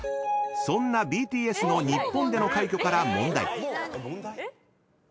［そんなＢＴＳの日本での快挙から問題］